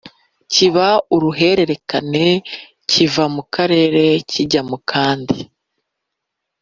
kiba uruhererekane kiva mu karere kijya mu kandi,